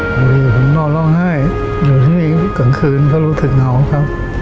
บางทีผมนอนร้องไห้อยู่ที่นี่กลางคืนก็รู้สึกเหงาครับ